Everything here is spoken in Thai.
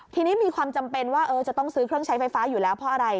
ทีนี้มีความจำเป็นว่าจะต้องซื้อเครื่องใช้ไฟฟ้าอยู่แล้วเพราะอะไร